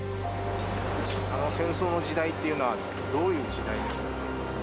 あの戦争の時代っていうのは、どういう時代でしたか？